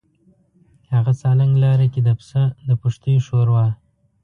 هغه سالنګ لاره کې د پسه د پښتۍ ښوروا.